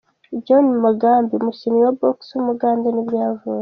John Mugabi, umukinnyi wa Box w’umugande nibwo yavutse.